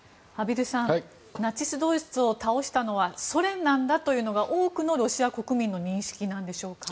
畔蒜さん、ナチスドイツを倒したのはソ連なんだというのが多くのロシア国民の認識なんでしょうか。